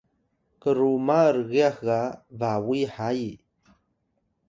kruma rgyax ga bawi hayi